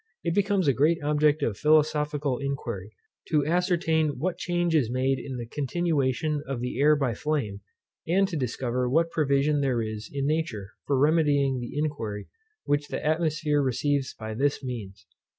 it becomes a great object of philosophical inquiry, to ascertain what change is made in the constitution of the air by flame, and to discover what provision there is in nature for remedying the injury which the atmosphere receives by this means.